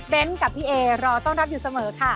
เป็นกับพี่เอรอต้อนรับอยู่เสมอค่ะ